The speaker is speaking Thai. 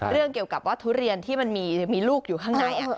เรื่องเกี่ยวกับว่าทุเรียนที่มันมีลูกอยู่ข้างใน